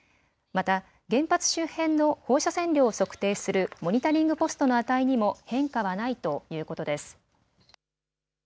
また原発周辺の放射線量を測定するモニタリングポストの値にも変化はないということです。